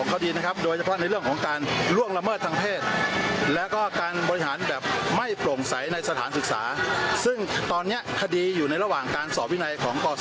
ที่จะมาบริหารไม่ใช่เอาคนที่อยู่ระหว่างการสอบวินัย